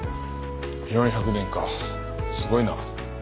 ４００年かすごいな。